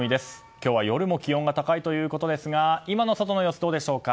今日は夜も気温が高いということですが今の外の様子、どうでしょうか。